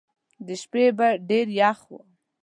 د شپې به ډېر یخ وو.